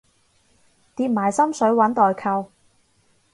疊埋心水搵代購